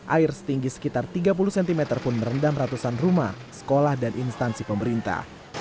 air setinggi sekitar tiga puluh cm pun merendam ratusan rumah sekolah dan instansi pemerintah